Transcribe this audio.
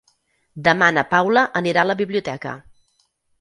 Demà na Paula anirà a la biblioteca.